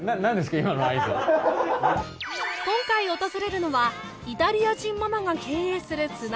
今回訪れるのはイタリア人ママが経営するスナック